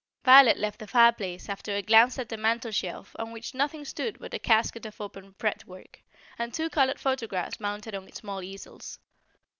Violet left the fire place after a glance at the mantel shelf on which nothing stood but a casket of open fretwork, and two coloured photographs mounted on small easels.